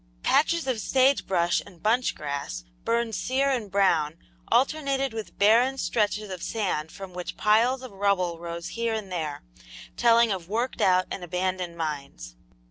Patches of sage brush and bunch grass, burned sere and brown, alternated with barren stretches of sand from which piles of rubble rose here and there, telling of worked out and abandoned mines.